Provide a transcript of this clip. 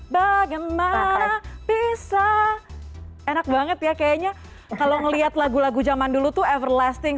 bagaimana pisa enak banget ya kayaknya kalau ngeliat lagu lagu zaman dulu tuh everlasting